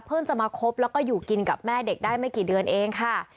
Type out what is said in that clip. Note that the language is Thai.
จะมาคบแล้วก็อยู่กินกับแม่เด็กได้ไม่กี่เดือนเองค่ะ